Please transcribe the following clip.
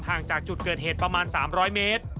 จากจุดเกิดเหตุประมาณ๓๐๐เมตร